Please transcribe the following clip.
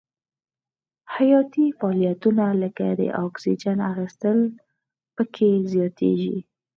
حیاتي فعالیتونه لکه د اکسیجن اخیستل پکې زیاتیږي.